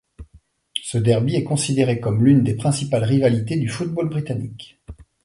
Ce derby est considéré comme l'une des principales rivalités du football britannique.